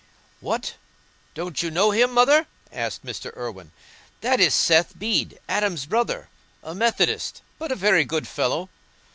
"What, don't you know him, Mother?" said Mr. Irwine. "That is Seth Bede, Adam's brother—a Methodist, but a very good fellow.